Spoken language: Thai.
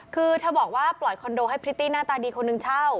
คือเธอบอกว่าปล่อยคอนโดให้พริตตี้หน้าตาดีคนหนึ่งเช่า